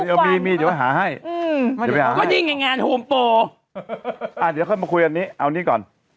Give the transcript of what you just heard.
เอ้าเดี๋ยวเข้ามาคุยอันนี้เอานี่ก่อน